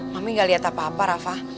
mami gak liat apa apa rafa